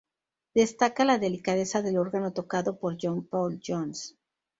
Destaca la delicadeza del órgano tocado por John Paul Jones.